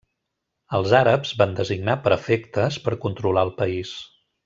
Els àrabs van designar prefectes per controlar el país.